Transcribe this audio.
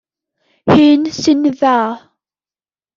Hyn sy'n dda.